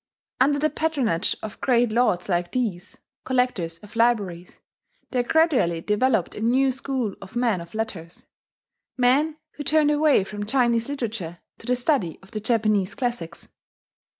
Under the patronage of great lords like these collectors of libraries there gradually developed a new school of men of letters: men who turned away from Chinese literature to the study of the Japanese classics.